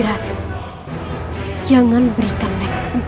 saya ingin bekerja dengan biksu